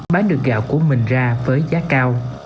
bán được gạo của mình ra với giá cao